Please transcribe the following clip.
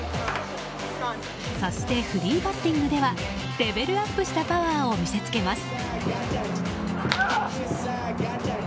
そしてフリーバッティングではレベルアップしたパワーを見せつけます。